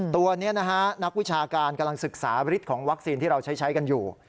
ตัวนี้นะฮะนักวิชาการกำลังศึกษาฤทธิ์ของวัคซีนที่เราใช้กันอยู่